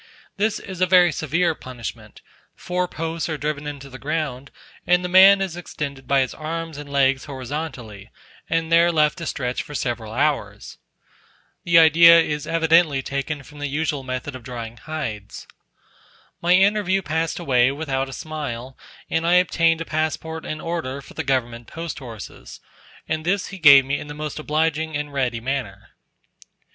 This is a very severe punishment; four posts are driven into the ground, and the man is extended by his arms and legs horizontally, and there left to stretch for several hours. The idea is evidently taken from the usual method of drying hides. My interview passed away, without a smile, and I obtained a passport and order for the government post horses, and this he gave me in the most obliging and ready manner.